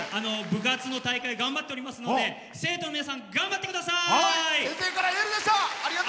部活の大会頑張っておりますので生徒の皆さん、頑張ってください。